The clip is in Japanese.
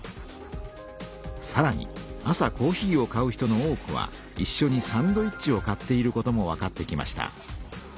さらに朝コーヒーを買う人の多くはいっしょにサンドイッチを買っていることもわかってきました。